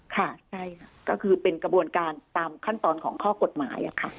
ค่ะใช่ค่ะก็คือเป็นกระบวนการตามขั้นตอนของข้อกฎหมายค่ะ